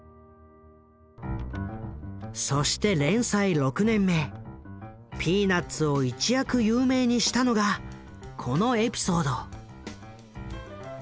そして連載６年目「ピーナッツ」を一躍有名にしたのがこのエピソード。